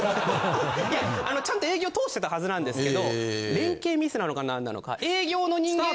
いやちゃんと営業通してたはずなんですけど連携ミスなのかなんなのか営業の人間。